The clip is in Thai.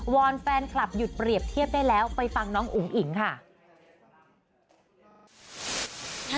อนแฟนคลับหยุดเปรียบเทียบได้แล้วไปฟังน้องอุ๋งอิ๋งค่ะ